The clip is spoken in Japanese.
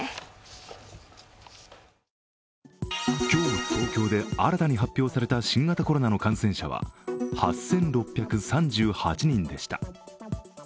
今日の東京で新たに発表された新型コロナの感染者は８６３８人でした。